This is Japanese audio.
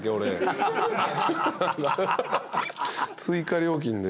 追加料金で。